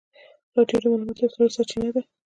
رادیو د معلوماتو لویه سرچینه ده.